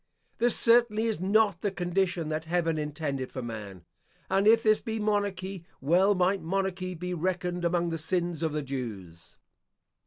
This certainly is not the condition that heaven intended for man; and if this be monarchy, well might monarchy be reckoned among the sins of the Jews.